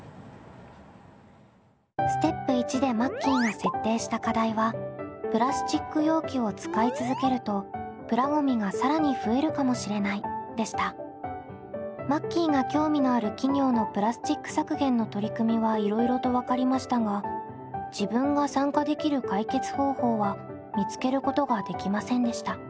ステップ①でマッキーが設定した課題はマッキーが興味のある企業のプラスチック削減の取り組みはいろいろと分かりましたが自分が参加できる解決方法は見つけることができませんでした。